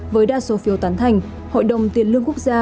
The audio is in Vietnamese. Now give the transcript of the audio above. với đa số phiêu toán thành hội đồng tiến lương quốc gia